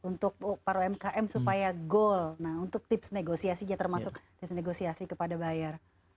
nah untuk tips negosiasi ya termasuk tips negosiasi kepada barang